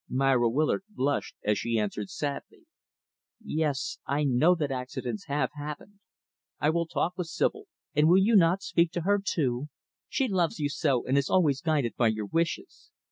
Myra Willard blushed as she answered sadly, "Yes, I know that accidents have happened. I will talk with Sibyl; and will you not speak to her too? She loves you so, and is always guided by your wishes.